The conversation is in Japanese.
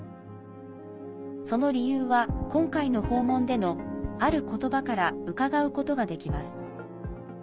その理由は今回の訪問でのある言葉からうかがうことができます。